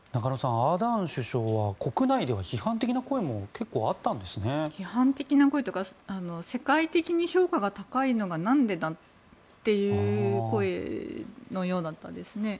アーダーン首相は国内では批判的な声も批判的な声というか世界的に評価が高いのがなんでだという声のようだったんです。